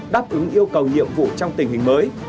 đáp ứng yêu cầu nhiệm vụ trong tình hình mới